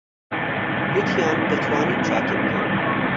گوتیان دەتوانن چاکی بکەن.